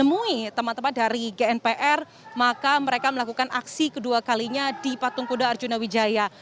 menemui teman teman dari gnpr maka mereka melakukan aksi kedua kalinya di patung kuda arjuna wijaya